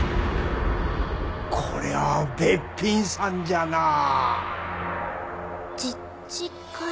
こりゃあべっぴんさんじゃなあ。